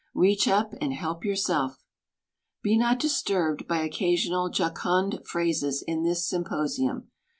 Reach up and help yourself. Be not disturbed by occasional jocund phrases in this symposium.